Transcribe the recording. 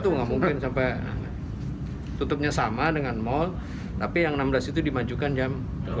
tuh nggak mungkin sampai tutupnya sama dengan mal tapi yang enam belas itu dimajukan jam dua belas